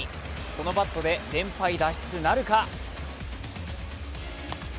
そのバットで連敗脱出なるか？